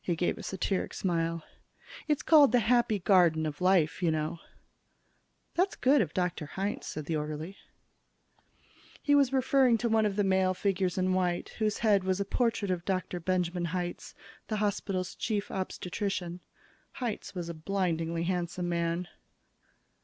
He gave a satiric smile. "It's called 'The Happy Garden of Life,' you know." "That's good of Dr. Hitz," said the orderly. He was referring to one of the male figures in white, whose head was a portrait of Dr. Benjamin Hitz, the hospital's Chief Obstetrician. Hitz was a blindingly handsome man.